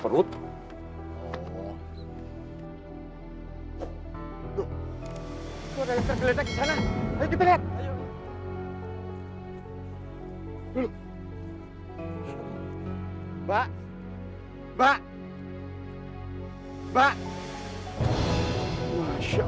tua dari tergeledak di sana